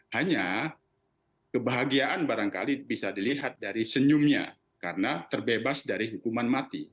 hanya kebahagiaan barangkali bisa dilihat dari senyumnya karena terbebas dari hukuman mati